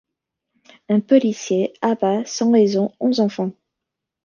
Un policier abat sans raison onze enfants.